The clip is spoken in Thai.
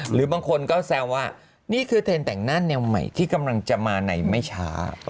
หรือบางคนก็แซวว่านี่คือเทรนด์แต่งหน้าแนวใหม่ที่กำลังจะมาในไม่ช้า